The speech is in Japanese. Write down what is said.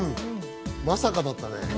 まさかだったね。